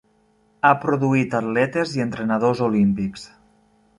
Ha produït atletes i entrenadors olímpics.